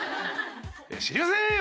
「知りませんよ！